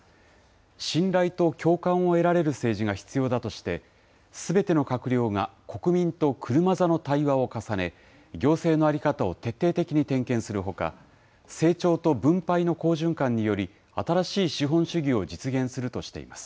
信頼と共感を得られる政治が必要だとして、すべての閣僚が、国民と車座の対話を重ね、行政の在り方を徹底的に点検するほか、成長と分配の好循環により、新しい資本主義を実現するとしています。